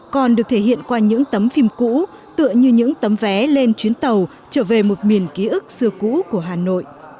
còn được thể hiện qua những tấm phim cũ tựa như những tấm vé lên chuyến tàu trở về một miền ký ức xưa cũ của hà nội